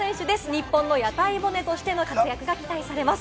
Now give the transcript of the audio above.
日本の屋台骨としての活躍が期待されます。